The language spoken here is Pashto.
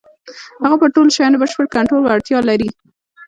هغه پر ټولو شيانو د بشپړ کنټرول وړتيا لري.